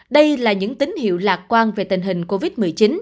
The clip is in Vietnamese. đây là những tín hiệu lạc quan về tình hình covid một mươi chín